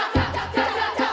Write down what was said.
piam piam sepiam dek